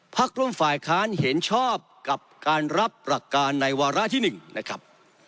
พักร่วมฝ่ายค้านเห็นชอบกับการรับหลักการในวาระที่๑นะครับ